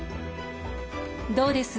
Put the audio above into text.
どうです？